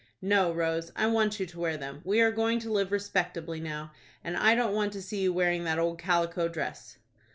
"No, Rose, I want you to wear them. We are going to live respectably now, and I don't want to see you wearing that old calico dress."